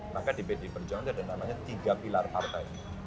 maka di pd perjuangan ada namanya tiga pilar partai